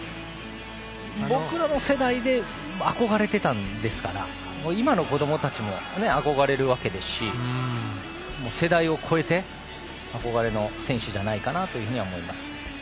僕らの世代であこがれていたんですから今の子どもたちもあこがれているし世代を超えて、憧れの選手じゃないかなと思います。